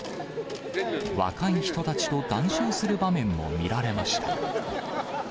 若い人たちと談笑する場面も見られました。